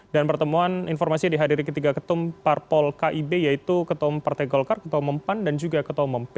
dan pertemuan informasi dihadiri ketiga ketum parpol kib yaitu ketua umum partai golkar ketua umum pan dan juga ketua umum p tiga